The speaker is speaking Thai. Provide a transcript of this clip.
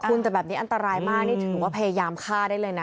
คุณแต่แบบนี้อันตรายมากนี่ถือว่าพยายามฆ่าได้เลยนะ